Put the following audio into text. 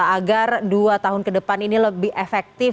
agar dua tahun ke depan ini lebih efektif